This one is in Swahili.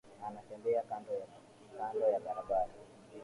Anatembea kando kando ya barabara